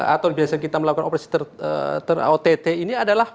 atau biasa kita melakukan operasi terott ini adalah